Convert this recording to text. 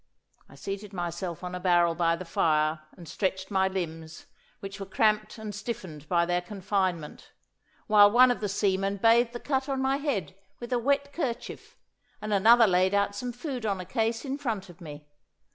I seated myself on a barrel by the fire, and stretched my limbs, which were cramped and stiffened by their confinement, while one of the seamen bathed the cut on my head with a wet kerchief, and another laid out some food on a case in front of me.